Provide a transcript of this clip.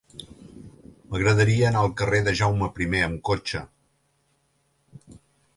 M'agradaria anar al carrer de Jaume I amb cotxe.